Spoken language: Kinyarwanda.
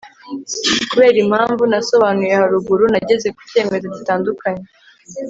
kubera impamvu nasobanuye haruguru, nageze ku cyemezo gitandukanye. (alanf_us